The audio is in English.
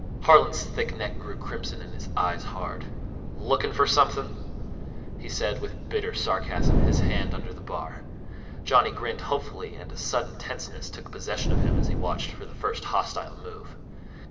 Harlan's thick neck grew crimson and his eyes hard. "Lookin' fer something?" he asked with bitter sarcasm, his hands under the bar. Johnny grinned hopefully and a sudden tenseness took possession of him as he watched for the first hostile move.